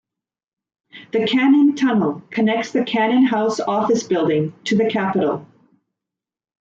The Cannon Tunnel connects the Cannon House Office Building to the Capitol.